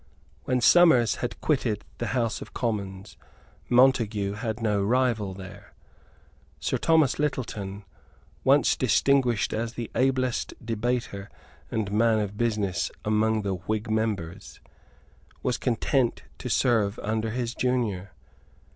When Somers had quitted the House of Commons, Montague had no rival there. Sir Thomas Littleton, once distinguished as the ablest debater and man of business among the Whig members, was content to serve under his junior.